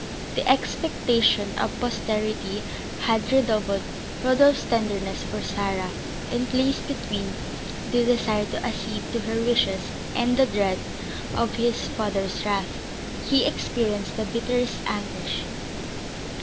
The expectation of posterity had redoubled Rodolph's tenderness for Sarah, and, placed between the desire to accede to her wishes and the dread of his father's wrath, he experienced the bitterest anguish.